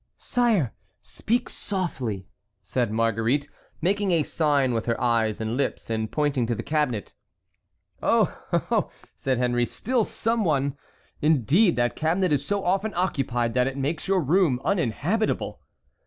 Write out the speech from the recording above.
"Sire, speak softly," said Marguerite, making a sign with her eyes and lips, and pointing to the cabinet. "Oh! oh!" said Henry, "still someone? Indeed, that cabinet is so often occupied that it makes your room uninhabitable."